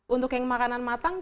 untuk yang makanan matang